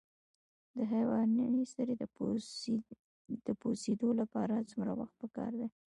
د حیواني سرې د پوسیدو لپاره څومره وخت پکار دی؟